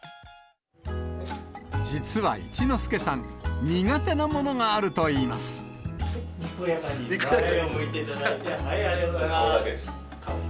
実は一之輔さん、苦手なものにこやかに前を向いていただいて、はい、ありがとうございます。